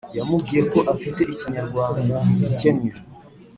yamubwiye ko afite ikinyarwnda gikennye